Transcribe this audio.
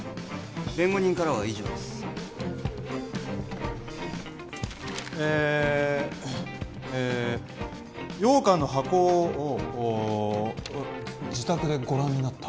弁護人からは以上ですえっえっ羊羹の箱を自宅でご覧になった？